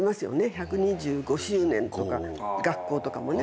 １２５周年とか学校とかもね。